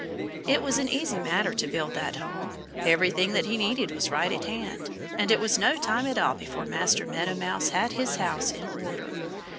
It was an easy matter to build that home. Everything that he needed was right at hand. And it was no time at all before Master Meadow Mouse had his house in order.